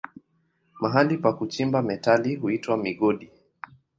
Mahali pa kuchimba metali huitwa migodi.